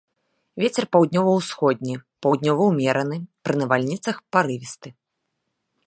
Вецер паўднёва-ўсходні, паўднёвы ўмераны, пры навальніцах парывісты.